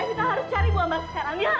evita harus cari bu ambar sekarang ya